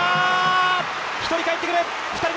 １人、かえってくる！